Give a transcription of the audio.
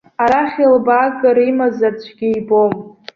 Арахь илбааган имазар цәгьа ибом.